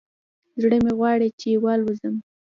زړه مې غواړي چې والوزم